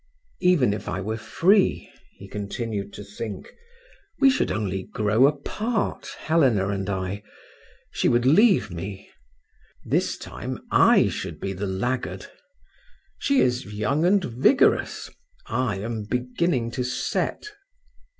"Even if I were free," he continued to think, "we should only grow apart, Helena and I. She would leave me. This time I should be the laggard. She is young and vigorous; I am beginning to set.